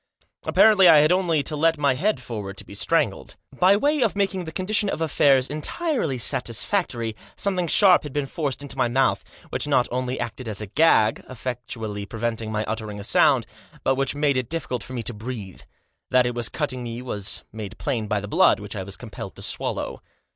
Apparently I had only to let my head forward to be strangled. By way of making the condition of affairs entirely satisfactory something sharp had been forced into my mouth, which not only acted as a gag, effectually preventing my uttering a sound, but which made it difficult for me to breathe. That it was cutting me was made plain by the blood which I was compelled to swallow.